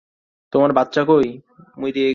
তোমার বাচ্চা কই?